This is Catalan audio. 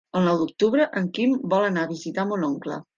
El nou d'octubre en Quim vol anar a visitar mon oncle.